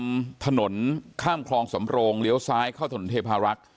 ถนนข้ามคลองสำโรงเลี้ยวซ้ายเข้าถนนเทพารักษ์